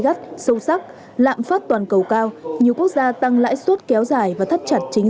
gắt sâu sắc lạm phát toàn cầu cao nhiều quốc gia tăng lãi suất kéo dài và thắt chặt chính